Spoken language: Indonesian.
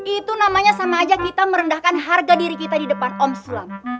itu namanya sama aja kita merendahkan harga diri kita di depan om swab